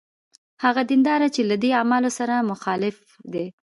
هغه دینداره چې له دې اعمالو سره مخالف دی.